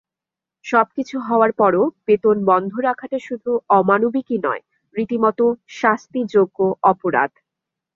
সবকিছু হওয়ার পরও বেতন বন্ধ রাখাটা শুধু অমানবিকই নয়, রীতিমতো শাস্তিযোগ্য অপরাধ।